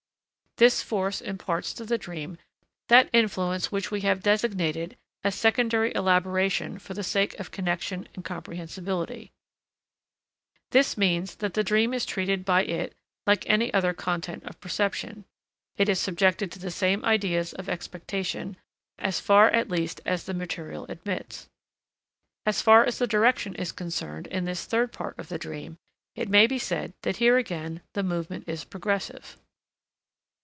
This force imparts to the dream that influence which we have designated as secondary elaboration for the sake of connection and comprehensibility. This means that the dream is treated by it like any other content of perception; it is subjected to the same ideas of expectation, as far at least as the material admits. As far as the direction is concerned in this third part of the dream, it may be said that here again the movement is progressive.